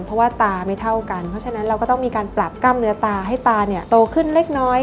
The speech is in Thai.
เพราะว่าตาไม่เท่ากันเพราะฉะนั้นเราก็ต้องมีการปรับกล้ามเนื้อตาให้ตาเนี่ยโตขึ้นเล็กน้อย